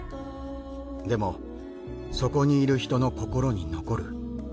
でもそこにいる人の心に残る。